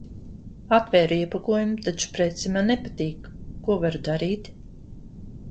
Atvēru iepakojumu, taču prece man nepatīk. Ko varu darīt?